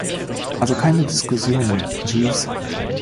Also keine Diskussion mehr, Jeeves.